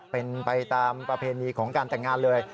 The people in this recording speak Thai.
เป็นไปตามประเพณีของการแต่งงานเลย